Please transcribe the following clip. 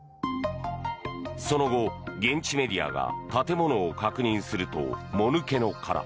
その後、現地メディアが建物を確認すると、もぬけの殻。